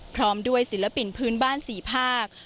พร้อมด้วยศิลปินพื้นบ้าน๔ภาค